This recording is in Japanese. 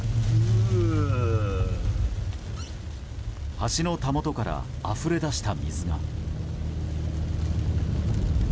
橋のたもとからあふれ出した水が。